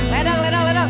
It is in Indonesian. ledang ledang ledang